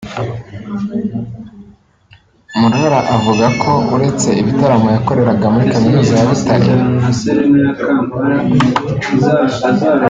Murara avuga ko uretse ibitaramo yakoreraga muri kaminuza ya Butare